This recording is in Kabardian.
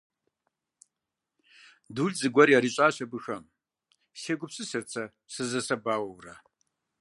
«Дул зыгуэр ярищӀащ абыхэм», – сегупсысырт сэ сызэсэбауэурэ.